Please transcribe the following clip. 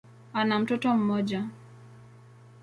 Ana mtoto mmoja.